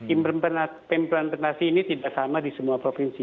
implementasi ini tidak sama di semua provinsi